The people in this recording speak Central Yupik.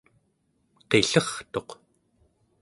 qillertuq